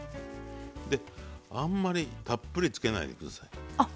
あんまりたっぷりつけないで下さい。